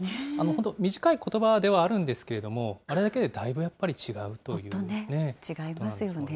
本当、短いことばではあるんですけれども、あれだけでだいぶ、やっぱり違うという。